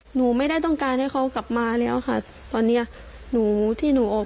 หนูไม่ได้ต้องการให้เขากลับมาแล้วค่ะตอนเนี้ยหนูที่หนูออก